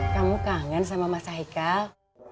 kamu kangen sama mas haikal